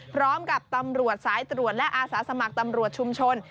พร้อมกับตำรวจสายตรวจและอาสาสมัครตำรวจชุมชน